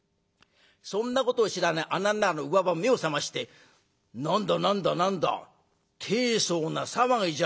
そんなことを知らない穴の中のウワバミ目を覚まして「何だ何だ何だ大層な騒ぎじゃねえか。